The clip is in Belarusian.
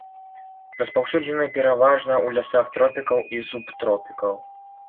Распаўсюджаны пераважна ў лясах тропікаў і субтропікаў.